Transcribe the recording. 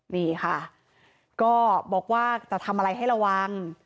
นี่ค่ะก็บอกว่าจะทำอะไรให้ระวัง